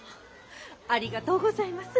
ありがとうございます。